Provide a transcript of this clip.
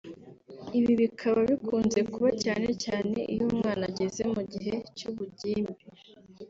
ibi bikaba bikunze kuba cyane cyane iyo umwana ageze mu gihe cy’ ubugimbi